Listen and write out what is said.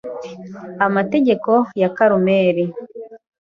amategeko ya Karumeli